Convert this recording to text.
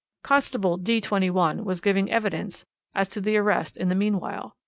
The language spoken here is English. "Constable D 21 was giving evidence as to the arrest in the meanwhile.